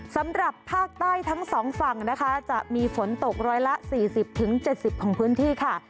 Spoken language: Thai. สำหรับภาคใต้ทั้งสองฝั่งนะคะจะมีฝนตกร้อยละ๔๐๗๐ของพื้นที่ค่ะ